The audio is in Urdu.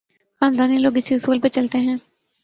خاندانی لوگ اسی اصول پہ چلتے ہیں۔